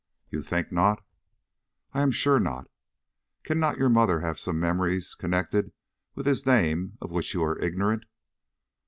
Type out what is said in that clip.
"You think not?" "I am sure not. Cannot your mother have some memories connected with his name of which you are ignorant?"